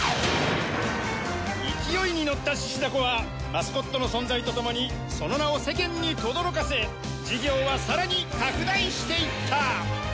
勢いに乗った獅子だこはマスコットの存在とともにその名を世間にとどろかせ事業は更に拡大していった！